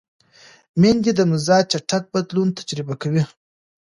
مېندې د مزاج چټک بدلون تجربه کوي.